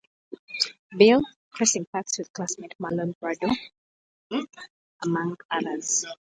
Bill, crossing paths with classmate Marlon Brando, among others.